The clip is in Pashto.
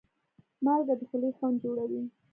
مالګه د خولې خوند جوړوي.